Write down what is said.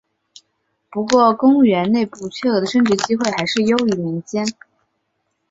不过公务员内部缺额的升职机会还是优于民间。